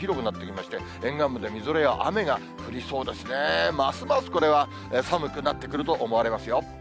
ますますこれは寒くなってくると思われますよ。